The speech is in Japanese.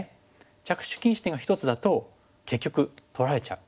着手禁止点が１つだと結局取られちゃう。